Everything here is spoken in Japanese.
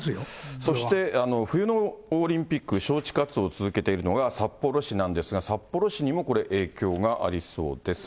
そして冬のオリンピック招致活動を続けているのが札幌市なんですが、札幌市にもこれ、影響がありそうです。